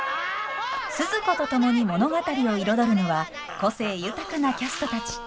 スズ子と共に物語を彩るのは個性豊かなキャストたち。